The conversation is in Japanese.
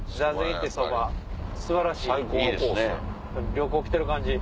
旅行来てる感じ。